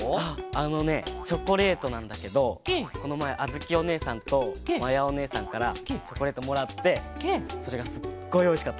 あのねチョコレートなんだけどこのまえあづきおねえさんとまやおねえさんからチョコレートもらってそれがすっごいおいしかった。